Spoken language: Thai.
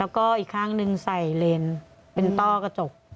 แล้วก็อีกข้างหนึ่งใส่เลนเป็นต้อกระจก